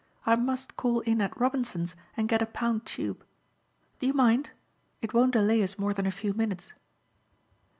I must call in at Robinson's and get a pound tube. Do you mind? It won't delay us more than a few minutes."